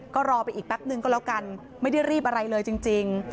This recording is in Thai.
ก็รอไปอีกแป๊บนึงก็แล้วกันไม่ได้รีบอะไรเลยจริง